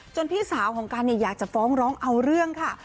พี่สาวของกันอยากจะฟ้องร้องเอาเรื่องค่ะ